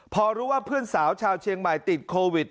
พอรู้ว่าเพื่อนสาวชาวเชียงใหม่ติดโควิด